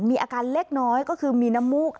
มีอาการเล็กน้อยก็คือมีน้ำมูก